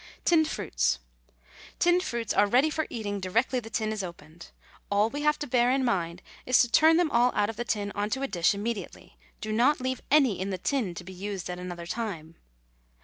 TINNED FRUITS. Tinned fruits are ready for eating directly the tin is opened. All we have to bear in mind is to turn them all out of the tin on to a dish immediately. Do not leave any in the tin to be used at another time.